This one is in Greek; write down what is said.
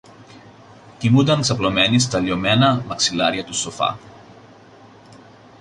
κοιμούνταν ξαπλωμένη στα λιωμένα μαξιλάρια του σοφά